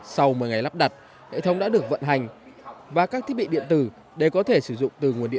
sau một mươi ngày lắp đặt hệ thống đã được vận hành và các thiết bị điện tử đều có thể sử dụng từ nguồn điện